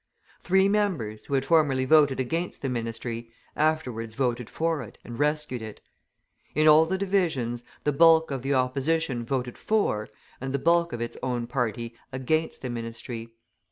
Three members, who had formerly voted against the ministry, afterwards voted for it and rescued it. In all the divisions, the bulk of the opposition voted for and the bulk of its own party against the ministry.